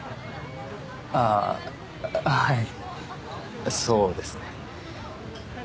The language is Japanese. あっはいそうですね